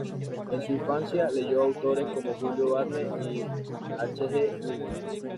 En su infancia leyó a autores como Julio Verne y a H. G. Wells.